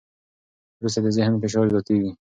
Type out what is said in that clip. وروسته د ذهن فشار زیاتېږي.